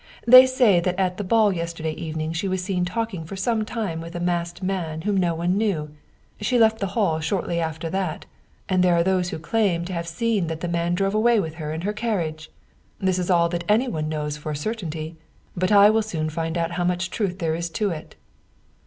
They say that at the ball yesterday evening she was seen talking for some time with a masked man whom no one knew. She left the hall shortly after that, and there are those who claim to have seen that the man drove away with her in her carriage. This is all that anyone knows for a certainty. But I will soon find out how much truth there is to it."